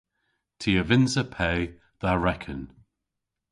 Ty a vynnsa pe dha reken.